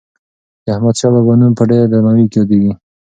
د احمدشاه بابا نوم په ډېر درناوي یادیږي.